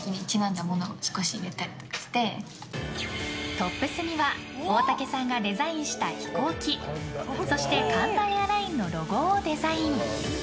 トップスには大竹さんがデザインした飛行機そしてＫＡＮＤＡＡＩＲＬＩＮＥのロゴをデザイン。